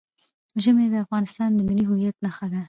ژمی د افغانستان د ملي هویت نښه ده.